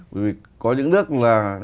bởi vì có những nước là